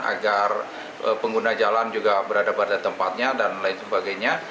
agar pengguna jalan juga berada pada tempatnya dan lain sebagainya